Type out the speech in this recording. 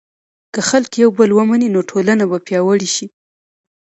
که خلک یو بل ومني، نو ټولنه به پیاوړې شي.